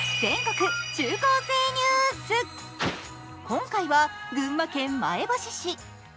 今回は群馬県前橋市。